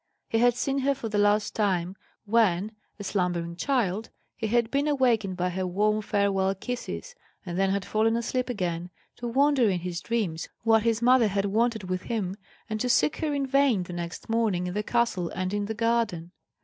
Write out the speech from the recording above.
He had seen her for the last time when, a slumbering child, he had been awakened by her warm farewell kisses, and then had fallen asleep again, to wonder in his dreams what his mother had wanted with him, and to seek her in vain the next morning in the castle and in the garden.